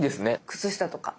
靴下とか。